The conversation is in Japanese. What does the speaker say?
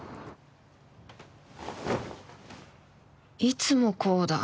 いつもこうだ